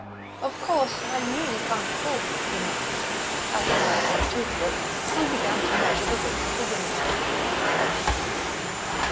"Of course, I really can't afford it," he muttered, as he went for a two foot and began to measure the width of the window recesses....